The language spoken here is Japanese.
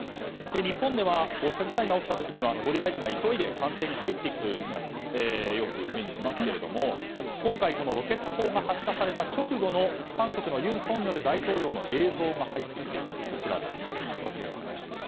日本ではこうした事態が起きた時には総理大臣が急いで官邸に入っていくという姿をよく目にしますが今回、ロケット砲が発射された直後の韓国の尹大統領の映像が入ってきています。